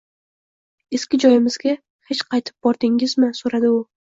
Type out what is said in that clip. Eski joyimizga hech qaytib bordingmi? – soʻradi u.